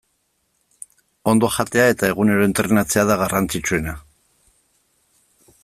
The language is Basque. Ondo jatea eta egunero entrenatzea da garrantzitsuena.